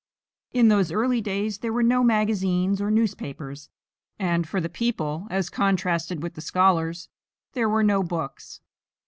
In those early days there were no magazines or newspapers, and for the people as contrasted with the scholars there were no books.